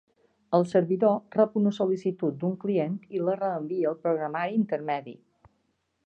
El servidor rep una sol·licitud d'un client i la reenvia al programari intermedi.